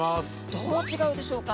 どう違うでしょうか。